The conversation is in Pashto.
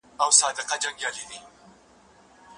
سیند د یوه کال لپاره غیر ګټور شو.